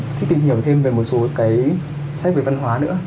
em cũng thích tìm hiểu thêm về một số cái sách về văn hóa nữa